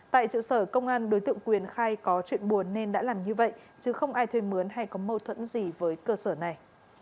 tại trụ sở công an đối tượng quyền khai có chuyện buồn nên đã làm như vậy chứ không ai thuê mướn hay có mâu thuẫn gì với cơ sở này